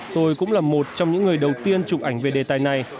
tôi cũng là một trong những người đầu tiên chụp ảnh về đề tài này